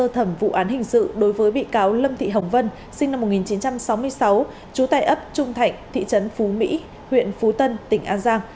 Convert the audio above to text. thẩm vụ án hình sự đối với bị cáo lâm thị hồng vân sinh năm một nghìn chín trăm sáu mươi sáu trú tại ấp trung thạnh thị trấn phú mỹ huyện phú tân tỉnh an giang